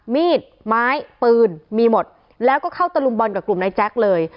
มีดไม้ปืนมีหมดแล้วก็เข้าตะลุมบอลกับกลุ่มนายแจ๊คเลย